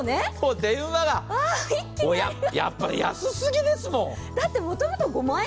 電話が、やっぱり安すぎですもん。